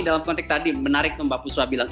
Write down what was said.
dalam konteks tadi menarik mbak puswa bilang